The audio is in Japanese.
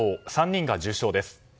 ３人が重傷です。